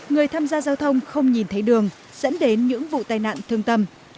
người tham gia giao thông không nhìn thấy đường dẫn đến những vụ tai nạn thương tâm